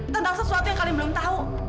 tentang sesuatu yang kalian belum tahu